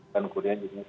dan kemudian juga